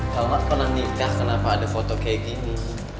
kalau gak pernah nikah kenapa ada foto kayak gini